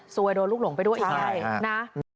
โดนลูกหลงไปด้วยอีกไงนะ